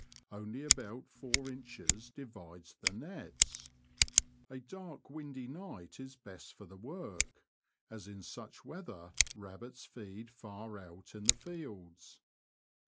Only about four inches divides the nets. A dark windy night is best for the work, as in such weather rabbits feed far out in the fields.